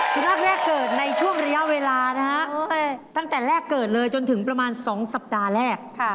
สุนัขแรกเกิดในช่วงระยะเวลานะฮะตั้งแต่แรกเกิดเลยจนถึงประมาณ๒สัปดาห์แรก